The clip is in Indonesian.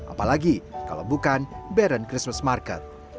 apalagi kalau bukan beron christmas market